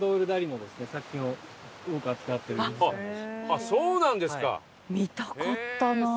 あっそうなんですか！